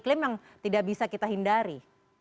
karena ada perubahan iklim yang tidak bisa kita hindari